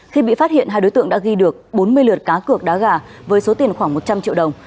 khi bị phát hiện hai đối tượng đã ghi được bốn mươi lượt cá cược đá gà với số tiền khoảng một trăm linh triệu đồng